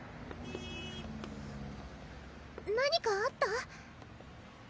何かあった？